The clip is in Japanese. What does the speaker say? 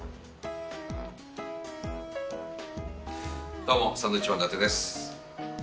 どうもサンドウィッチマン伊達です。